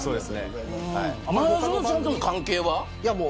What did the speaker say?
前園さんとの関係は。